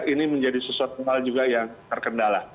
ini menjadi sesuatu yang terkendala